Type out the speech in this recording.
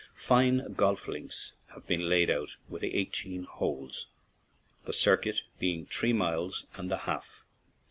Fine golf links have been laid out with eighteen holes, the circuit being three miles and a half.